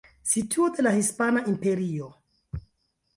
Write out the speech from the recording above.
Situo de la Hispana Imperio.